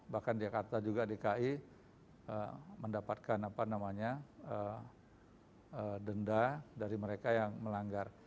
bahkan di jakarta juga di ki mendapatkan denda dari mereka yang melanggar